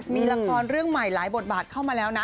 มีละครเรื่องใหม่หลายบทบาทเข้ามาแล้วนะ